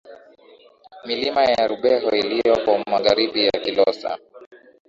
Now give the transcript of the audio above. Milima ya Rubeho iliyopo Magharibi ya Kilosa